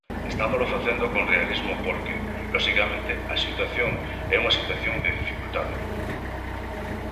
Estámolo facendo con realismo porque, loxicamente, a situación é unha situación de dificultade.